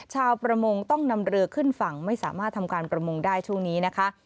ชาวประมงต้องนำเรือขึ้นฝั่งไม่สามารถทำการประมงได้ช่วงนี้นะคะ